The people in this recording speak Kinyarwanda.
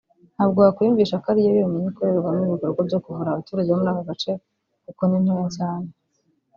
ntabwo wakwiyumvisha ko ariyo yonyine ikorerwamo ibikorwa byo kuvura abaturage bo muri aka gace kuko ni ntoya cyane